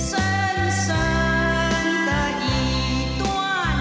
แค่นิดกว่าได้มีคน